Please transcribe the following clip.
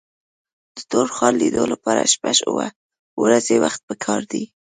د ټول ښار لیدلو لپاره شپږ اوه ورځې وخت په کار دی.